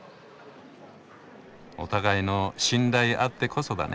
お互いの「信頼」あってこそだね。